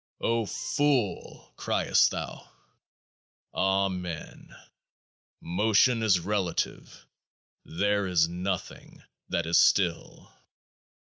Ofool ! criest thou? Amen. Motion is relative : there is Nothing that is still.